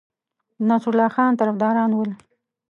د نصرالله خان طرفداران ول.